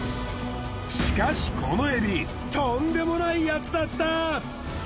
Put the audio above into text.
しかしこのエビとんでもないヤツだった！